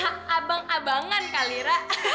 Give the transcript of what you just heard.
hah abang abangan kali ra